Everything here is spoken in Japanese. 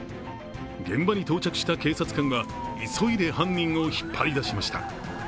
現場に到着した警察官は急いで犯人を引っ張り出しました。